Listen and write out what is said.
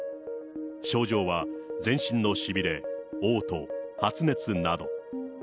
症状は全身のしびれ、おう吐、発熱など。